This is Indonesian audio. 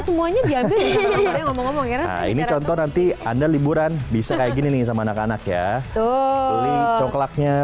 semuanya diambil ini contoh nanti anda liburan bisa kayak gini sama anak anak ya tuh coklatnya